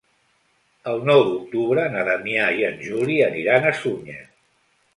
El nou d'octubre na Damià i en Juli aniran a Sunyer.